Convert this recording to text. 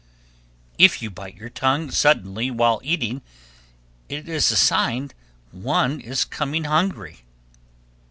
1332. If you bite your tongue suddenly while eating, it is a sign some one is coming hungry.